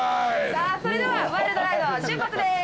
さあそれではワイルドライド出発です。